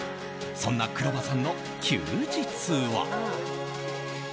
そんな黒羽さんの休日は。